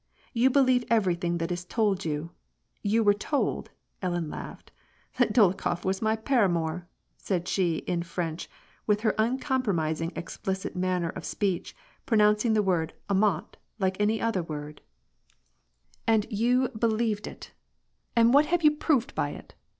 " You believe everything that is told you : you were told," Ellen laughed, '^ that Dolokhof was my paramour," said she in French, with her uncompromising explicit manner of speech, pronouncing the word aniantf like any other word, " And you WAR AND PEACE. 81 believed it ! And what have you proved by it